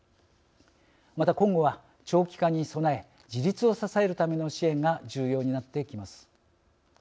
また、今後は長期化に備え自立を支えるための支援が重要になってきます。